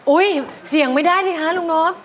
อุ้ยเสี่ยงไม่ได้ดิคะลุงนอบ